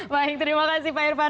baik terima kasih pak irvan